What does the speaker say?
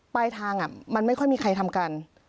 ปลายทางมันไม่ค่อยมีใครทำกัน